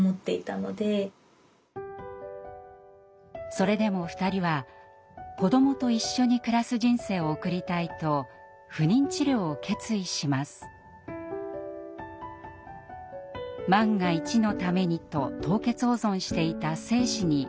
それでも２人は子どもと一緒に暮らす人生を送りたいと万が一のためにと凍結保存していた精子に望みをかけました。